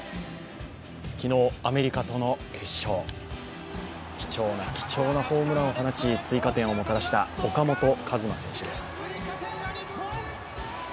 昨日、アメリカとの決勝、貴重な貴重なホームランを放ち、追加点をもたらした岡本和真選手です。